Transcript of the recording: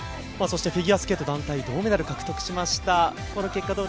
フィギュアスケート団体、銅メダルを獲得しました。